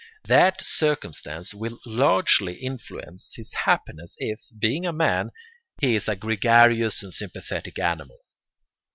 That circumstance will largely influence his happiness if, being a man, he is a gregarious and sympathetic animal.